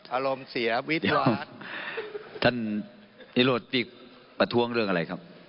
อารมณ์เสียวิทยาท่านนิโรธนี่ประท้วงเรื่องอะไรครับ